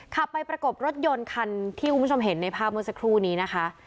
ขับไปประกบรถยนต์คันที่คุณผู้ชมเห็นในภาพเมื่อสักครู่นี้นะคะ